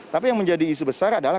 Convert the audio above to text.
tapi yang menjadi isu besar adalah